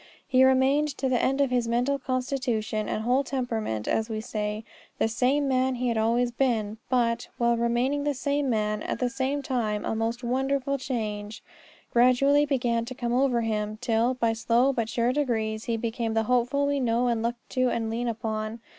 He remained to the end in his mental constitution and whole temperament, as we say, the same man he had always been; but, while remaining the same man, at the same time a most wonderful change gradually began to come over him, till, by slow but sure degrees, he became the Hopeful we know and look to and lean upon.